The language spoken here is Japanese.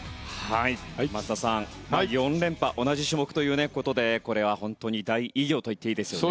松田さん、４連覇同じ種目ということでこれは本当に大偉業といっていいですよね。